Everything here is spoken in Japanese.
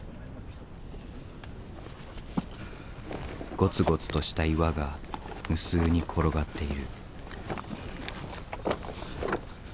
ごつごつとした岩が無数に転がっている。